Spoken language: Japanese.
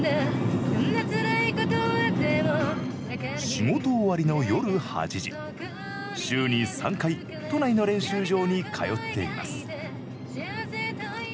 仕事終わりの夜８時、週に３回、都内の練習場に通っています。